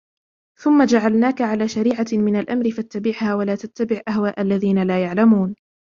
ثم جعلناك على شريعة من الأمر فاتبعها ولا تتبع أهواء الذين لا يعلمون